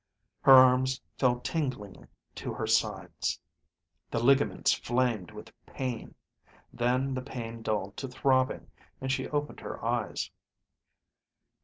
Her arms fell tingling to her sides. The ligaments flamed with pain. Then the pain dulled to throbbing, and she opened her eyes.